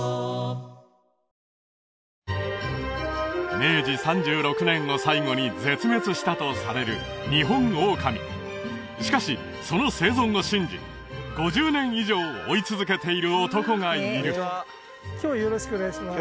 明治３８年を最後に絶滅したとされるニホンオオカミしかしその生存を信じ５０年以上追い続けている男がいる今日はよろしくお願いします